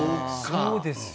そうですよ。